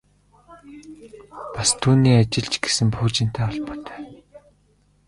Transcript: Бас түүний ажил ч гэсэн пуужинтай холбоотой.